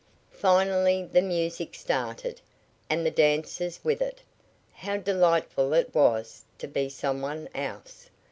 Finally the music started, and the dancers with it. How delightful it was to be some one else!